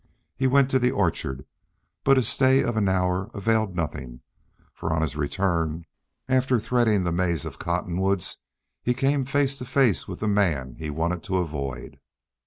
He went to the orchard, but his stay of an hour availed nothing, for on his return, after threading the maze of cottonwoods, he came face to face with the man he wanted to avoid.